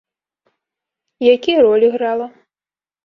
І якія ролі грала?